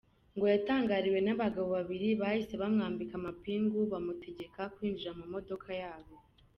Ngo yatangiriwe n’abagabo babiri bahise bamwambika amapingu bamutegeka kwinjira mu modoka yabo.